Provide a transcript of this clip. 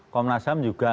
komnas ham juga